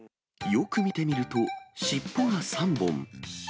よく見てみると、尻尾が３本。